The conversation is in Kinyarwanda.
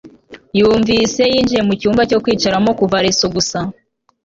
yunvise yinjiye mucyumba cyo kwicaramo kuva leso gusa